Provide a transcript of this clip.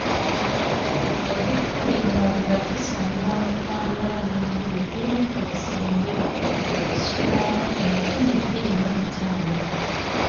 Ebifo bino nga bisangibwa mu Kampala ne Ntebbe birina ebisenge ebisulwamu nkumi bbiri mu bitaano.